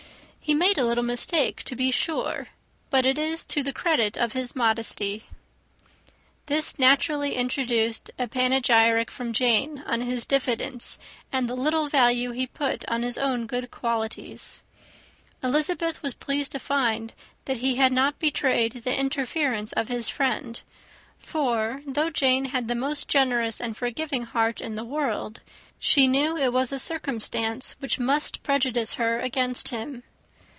"He made a little mistake, to be sure; but it is to the credit of his modesty." This naturally introduced a panegyric from Jane on his diffidence, and the little value he put on his own good qualities. Elizabeth was pleased to find that he had not betrayed the interference of his friend; for, though Jane had the most generous and forgiving heart in the world, she knew it was a circumstance which must prejudice her against him.